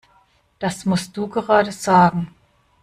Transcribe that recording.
Das musst du gerade sagen!